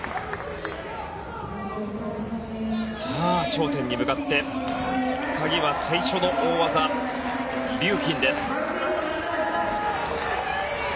頂点に向かって鍵は最初の大技リューキンです。